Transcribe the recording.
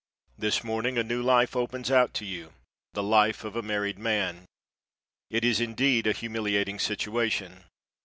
This morning a new life opens out to you the life of a married man. It is indeed a humiliating situation.